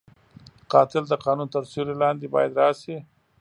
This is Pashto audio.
قاتل د قانون تر سیوري لاندې باید راشي